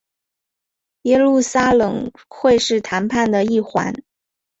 耶路撒冷会是谈判的一环。